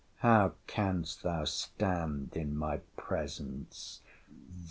—How canst thou stand in my presence!